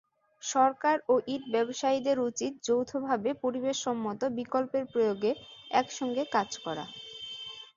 সরকার ও ইট ব্যবসায়ীদের উচিত যৌথভাবে পরিবেশসম্মত বিকল্পের প্রয়োগে একসঙ্গে কাজ করা।